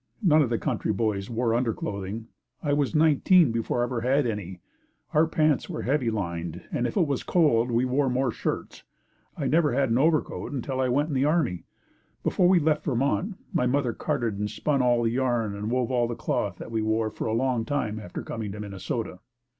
None of the country boys wore underclothing. I was nineteen before I ever had any. Our pants were heavily lined and if it was cold, we wore more shirts. I never had an overcoat until I went in the army. Before we left Vermont, my mother carded and spun all the yarn and wove all the cloth that we wore for a long time after coming to Minnesota.